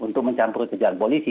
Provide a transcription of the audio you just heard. untuk mencampuri tujuan polisi